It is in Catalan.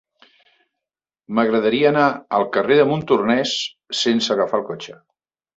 M'agradaria anar al carrer de Montornès sense agafar el cotxe.